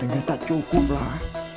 satu juta cukup lah